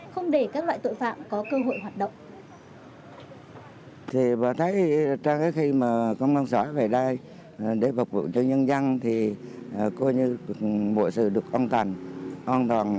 không để các loại tội phạm có cơ hội hoạt động